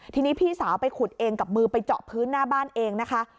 ทีนี้พี่สาวไปขุดเองกับมือไปเจาะพื้นหน้าบ้านเองนะคะ